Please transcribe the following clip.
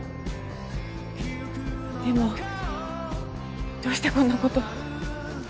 でもどうしてこんな事。